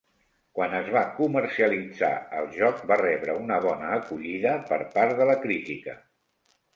Quan es va comercialitzar, el joc va rebre una bona acollida per part de la crítica.